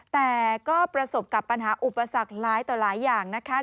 แต่ก็ประสบกับปัญหาอุปสรรคหลายต่อหลายอย่างนะคะ